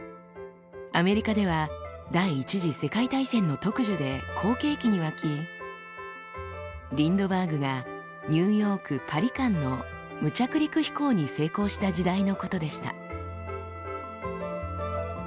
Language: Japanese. アメリカでは第一次世界大戦の特需で好景気に沸きリンドバーグがニューヨーク−パリ間の無着陸飛行に成功した時代のことでした。